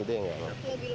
itu yang tidak ingin